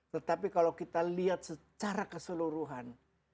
tetapi kalau kita lihat secara keseluruhan